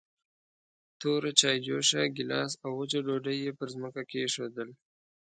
توره چايجوشه، ګيلاس او وچه ډوډۍ يې پر ځمکه کېښودل.